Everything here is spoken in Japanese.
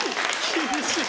厳しい。